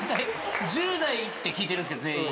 １０代って聞いてるんですけど全員。